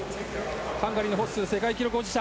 ハンガリーのホッスー世界記録保持者。